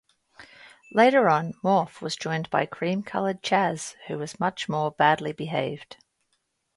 Later on, Morph was joined by cream-coloured Chas, who was much more badly behaved.